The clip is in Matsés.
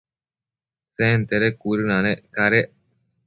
Sentede cuëdënanec cadec